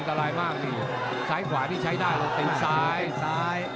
อันตรายมากนี่ซ้ายขวานี่ใช้ได้แล้วเต็มซ้าย